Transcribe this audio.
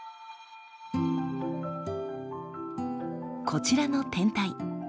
こちらの天体。